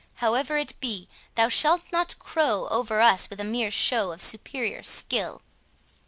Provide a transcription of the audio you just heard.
However it be, thou shalt not crow over us with a mere show of superior skill."